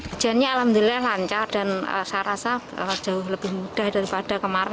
hujannya alhamdulillah lancar dan saya rasa jauh lebih mudah daripada kemarin